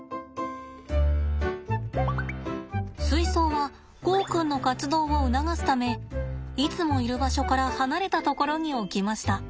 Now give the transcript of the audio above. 水槽はゴーくんの活動を促すためいつもいる場所から離れた所に置きました。